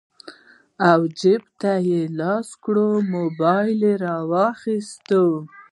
او جېب ته يې لاس کړو موبايل يې رواخيست